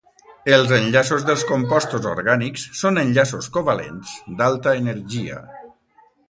Els enllaços dels compostos orgànics són enllaços covalents d’alta energia.